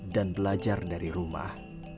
dan belajar dari rumah